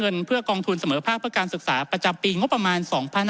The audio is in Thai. เพื่อกองทุนเสมอภาคเพื่อการศึกษาประจำปีงบประมาณ๒๕๕๙